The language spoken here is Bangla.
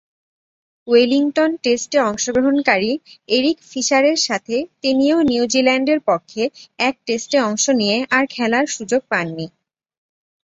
ওয়েলিংটন টেস্টে অংশগ্রহণকারী এরিক ফিশারের সাথে তিনিও নিউজিল্যান্ডের পক্ষে এক টেস্টে অংশ নিয়ে আর খেলার সুযোগ পাননি।